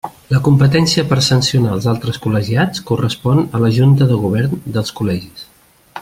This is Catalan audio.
La competència per a sancionar als altres col·legiats correspon a la Junta de Govern dels col·legis.